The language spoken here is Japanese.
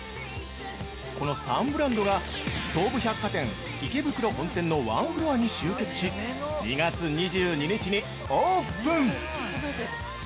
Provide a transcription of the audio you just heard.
この３ブランドが東武百貨店池袋本店のワンフロアに集結し２月２２日にオープン！